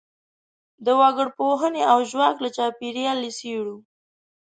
د وګړپوهنې او ژواک له چاپیریال یې څېړو.